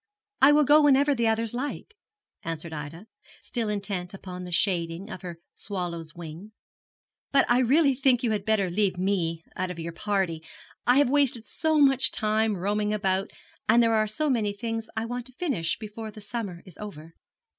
'I will go whenever the others like,' answered Ida, still intent upon the shading of her swallow's wing; 'but I really think you had better leave me out of your party I have wasted so much time roaming about and there are so many things I want to finish before the summer is over.'